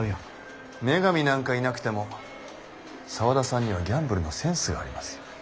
女神なんかいなくても沢田さんにはギャンブルのセンスがありますよ。